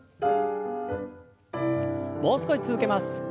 もう少し続けます。